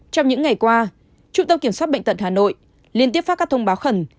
trong những ngày qua trung tâm kiểm soát bệnh tật hà nội liên tiếp phát các thông báo khẩn